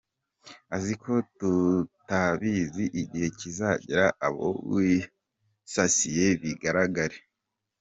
aziko tutabizi igihe kizagera abo wisasiye bigaragare